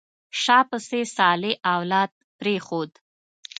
شا پسې صالح اولاد پرېښود.